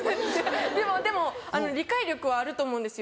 でもでも理解力はあると思うんですよ。